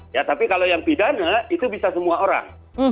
ya tapi kalau yang pidana itu bisa semua orang